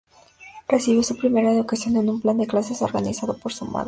Recibió su primera educación en un plan de clases organizado por su madre.